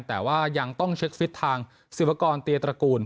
แต่ว่ายังต้องเช็คฟิตทางศิวากรเตียตระกูล